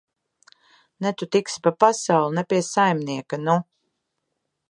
Ne tu tiksi pa pasauli, ne pie saimnieka, nu!